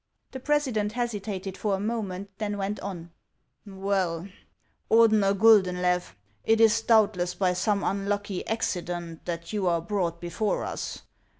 The president hesitated for a moment, then went on :" Well, Ordener Guldenlew, it is doubtless by some un lucky accident that you are brought before us.